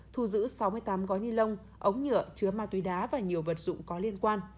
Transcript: thu giữ sáu mươi tám gói ni lông ống nhựa chứa ma túy đá và nhiều vật dụng có liên quan